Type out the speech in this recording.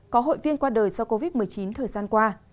có hội viên qua đời do covid một mươi chín thời gian qua